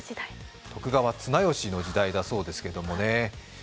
徳川綱吉の時代だそうですけどもね。